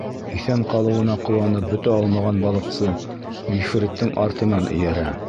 Иҫән ҡалыуына ҡыуанып бөтә алмаған балыҡсы ғифриттең артынан эйәрә.